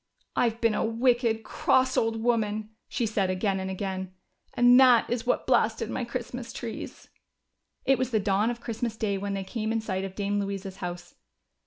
" I've been a wicked, cross old woman," said she again and again, " and that is what blasted my Christmas trees." It was the dawn of Christmas day when they came in sight of Dame Louisa's house.